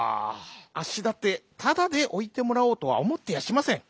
「あっしだってただでおいてもらおうとはおもってやしません。